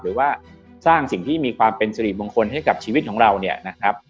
หรือว่าสร้างสิ่งที่มีความเป็นสิริมงคลให้กับชีวิตของเราเนี่ยนะครับ